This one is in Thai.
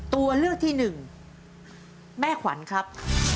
ตัวเลือกที่๑แม่ขวัญครับ